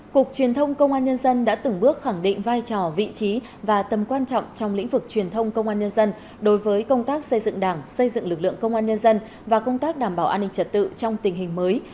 cục truyền thông công an nhân dân đã từng bước khẳng định vai trò vị trí và tầm quan trọng trong lĩnh vực truyền thông công an nhân dân đối với công tác xây dựng đảng xây dựng lực lượng công an nhân dân và công tác đảm bảo an ninh trật tự trong tình hình mới